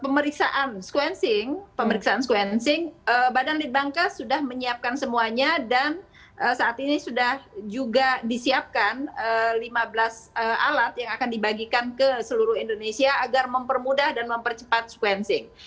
pemeriksaan sequencing pemeriksaan sequencing badan litbangkes sudah menyiapkan semuanya dan saat ini sudah juga disiapkan lima belas alat yang akan dibagikan ke seluruh indonesia agar mempermudah dan mempercepat sequencing